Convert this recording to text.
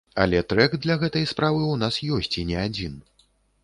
Але трэк для гэтай справы ў нас ёсць і не адзін.